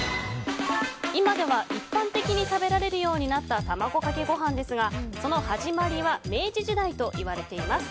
今では一般的に食べられるようになった卵かけご飯ですがその始まりは明治時代と言われています。